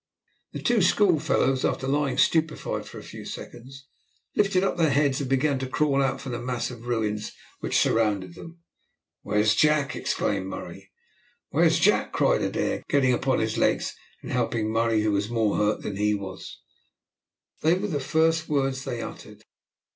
The two schoolfellows, after lying stupefied for a few seconds, lifted up their heads and began to crawl out from the mass of ruins which surrounded them. "Where's Jack?" exclaimed Murray. "Where's Jack?" cried Adair, getting upon his legs and helping Murray, who was hurt more than he was. These were the first words they uttered.